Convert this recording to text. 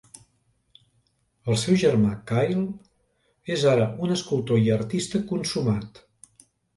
El seu germà Kyle és ara un escultor i artista consumat.